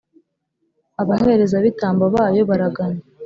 abaherezabitambo bayo baraganya,